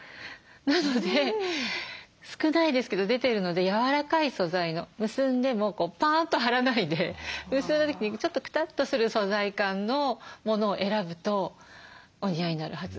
なので少ないですけど出てるので柔らかい素材の結んでもこうパーンと張らないで結んだ時にちょっとくたっとする素材感のものを選ぶとお似合いになるはずです。